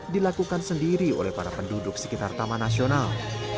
dilakukan sendiri oleh para penduduk sekitar taman nasional